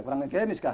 kurang genis kah